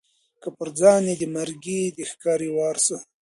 چي پر ځان یې د مرګي د ښکاري وار سو